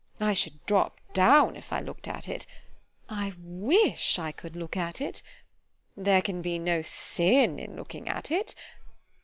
_ I should drop down, if I look'd at it— I wish I could look at it— _There can be no sin in looking at it.